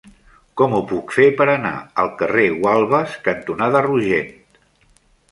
Com ho puc fer per anar al carrer Gualbes cantonada Rogent?